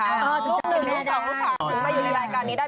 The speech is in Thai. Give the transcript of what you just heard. ลูกหนึ่งลูกสาวลูกสาวถึงมาอยู่ในรายการนี้ได้